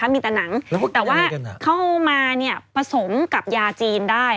มีแต่หนังแต่ว่าเข้ามาผสมกับยาจีนได้